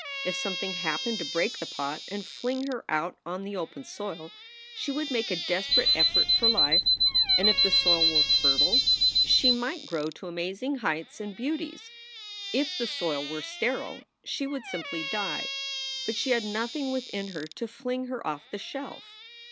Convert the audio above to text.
If something happened to break the pot and fling her out on the open soil, she would make a desperate effort for life, and if the soil were fertile she might SOULS FOR SALE 17 grow to amazing heights and beauties; if the soil were sterile, she would simply die. But she had nothing within her to fling her off the shelf.